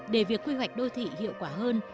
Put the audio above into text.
để việc quy hoạch đô thị hiệu quả hơn